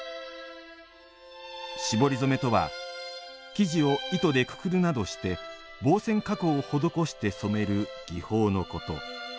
絞り染めとは生地を糸でくくるなどして防染加工を施して染める技法のこと。